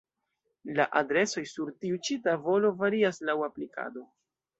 La adresoj sur tiu ĉi tavolo varias laŭ aplikado.